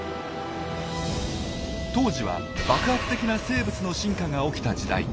当時は爆発的な生物の進化が起きた時代。